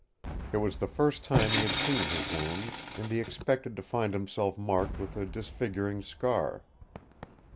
It was the first time he had seen his wound, and he expected to find himself marked with a disfiguring scar.